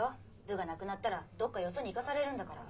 部がなくなったらどっかよそに行かされるんだから。